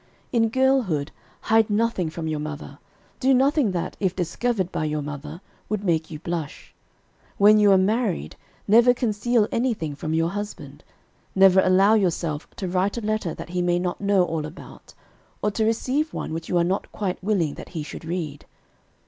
In girlhood, hide nothing from your mother; do nothing that, if discovered by your mother, would make you blush. When you are married, never conceal anything from your husband. Never allow yourself to write a letter that he may not know all about, or to receive one which you are not quite willing that he should read.